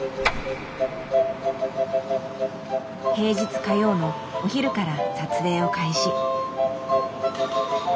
平日火曜のお昼から撮影を開始。